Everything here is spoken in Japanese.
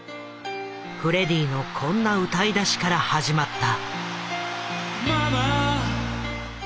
フレディのこんな歌いだしから始まった。